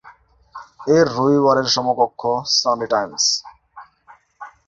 এর রবিবারের সমকক্ষ "সানডে টাইমস"।